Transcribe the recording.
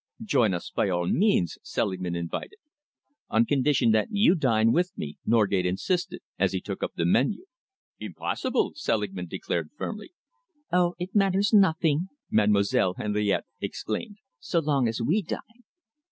"Join us, by all means," Selingman invited. "On condition that you dine with me," Norgate insisted, as he took up the menu. "Impossible!" Selingman declared firmly. "Oh! it matters nothing," Mademoiselle Henriette exclaimed, "so long as we dine."